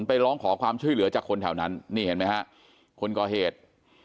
ไปร้องขอความช่วยเหลือจากคนแถวนั้นนี่เห็นไหมฮะคนก่อเหตุ